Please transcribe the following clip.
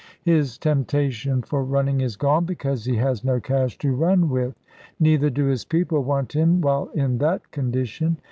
His temptation for running is gone, because he has no cash to run with; neither do his people want him while in that condition.